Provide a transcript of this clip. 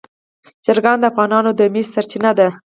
چرګان د افغانانو د معیشت سرچینه ده.